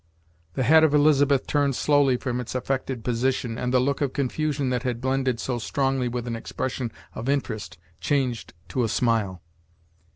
The head of Elizabeth turned slowly from its affected position, and the look of confusion that had blended so strongly with an expression of interest changed to a smile.